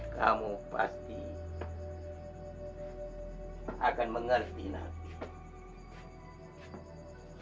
kamu pasti akan mengerti nanti